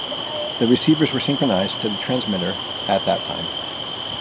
The receivers were synchronized to the transmitter at that time.